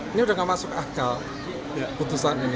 ini sudah tidak masuk akal putusan ini